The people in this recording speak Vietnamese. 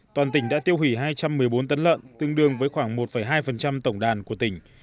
toàn tỉnh đã tiêu hủy hai trăm một mươi bốn tấn lợn tương đương với khoảng một hai tổng đàn của tỉnh